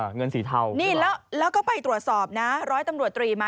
เออเงินสีเทาใช่ไหมนี่แล้วก็ไปตรวจสอบนะ